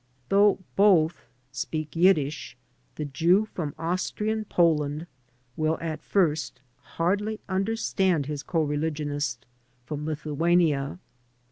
Though both speak Yiddish, the Jew from Austrian Poland will at first hardly imderstand his coreligionist from Lithuania.